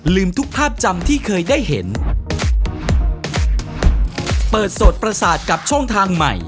ทุกภาพจำที่เคยได้เห็นเปิดโสดประสาทกับช่องทางใหม่